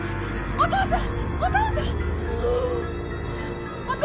お父さん！